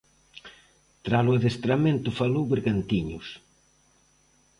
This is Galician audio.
Tralo adestramento falou Bergantiños.